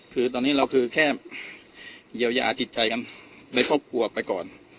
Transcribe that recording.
คือตอนนี้เราคือแค่เยียวยาจิตใจกันในครอบครัวไปก่อน